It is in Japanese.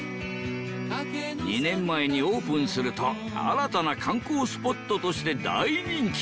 ２年前にオープンすると新たな観光スポットとして大人気に！